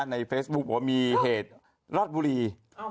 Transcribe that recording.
ในเฟสบุ๊คมีเหตุราดบุรี